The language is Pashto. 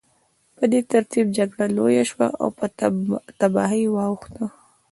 په دې ترتیب جګړه لویه شوه او په تباهۍ واوښته